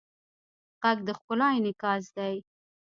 غږ د ښکلا انعکاس دی